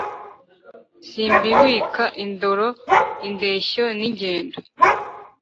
Simbibuka indoro indeshyo n'ingendo